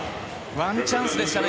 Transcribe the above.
ワンチャンスでしたね。